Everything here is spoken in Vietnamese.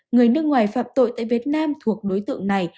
người nước ngoài phạm tội tại việt nam thuộc đối tượng này